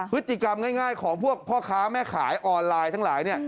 พฤติกรรมง่ายของพวกพ่อค้าแม่ขายออนไลน์ทั้งหลาย